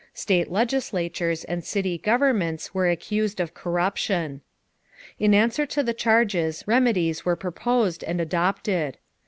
State legislatures and city governments were accused of corruption. In answer to the charges, remedies were proposed and adopted.